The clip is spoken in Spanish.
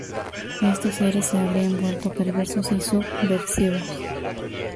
Estos seres se habrían vuelto perversos y subversivos.